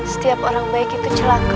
setiap orang baik itu celaka